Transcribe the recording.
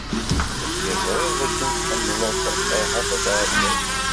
Akka i ẓriɣ dakken tḥemmleḍ Ferḥat n At Ɛebbas.